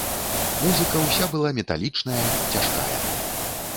Музыка ўся была металічная, цяжкая.